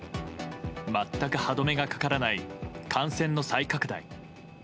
全く歯止めがかからない感染の再拡大。